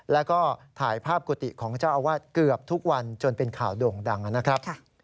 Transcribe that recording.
แล้วก็ถ่ายภาพกุฏิของเจ้าอาวาสเกือบทุกวันจนเป็นข่าวโด่งดังนะครับ